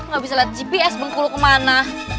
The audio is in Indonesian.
gak bisa lihat gps bengkulu kemana